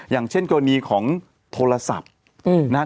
อย่างเช่นกรณีของโทรศัพท์นะครับ